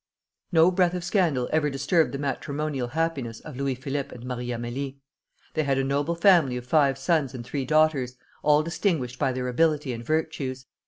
No breath of scandal ever disturbed the matrimonal happiness of Louis Philippe and Marie Amélie. They had a noble family of five sons and three daughters, all distinguished by their ability and virtues.